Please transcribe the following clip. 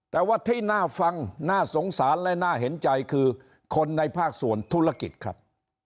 แต่ว่าที่น่าฟังน่าสงสารและน่าเห็นใจคือคนในภาคส่วนธุรกิจครับ